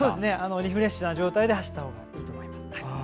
リフレッシュした状態で走ったほうがいいと思います。